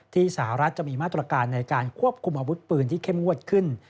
สหรัฐจะมีมาตรการในการควบคุมอาวุธปืนที่เข้มงวดขึ้น